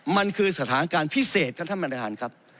มันคือสถานการณ์พิเศษครับท่านประธานครับ